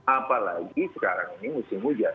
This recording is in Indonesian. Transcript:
apalagi sekarang ini musim hujan